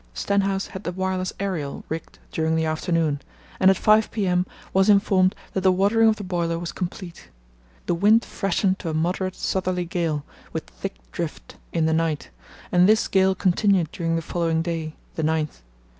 Stenhouse had the wireless aerial rigged during the afternoon, and at 5 p.m. was informed that the watering of the boiler was complete. The wind freshened to a moderate southerly gale, with thick drift, in the night, and this gale continued during the following day, the 9th.